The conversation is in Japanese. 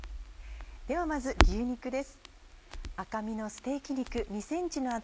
ではまず牛肉です。